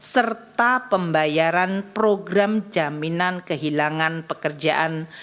serta pembayaran program jaminan kehilangan pekerjaan